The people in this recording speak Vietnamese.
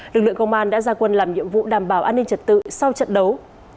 lực lượng công an đã ra quân làm nhiệm vụ đảm bảo an ninh trật tự sau trận đấu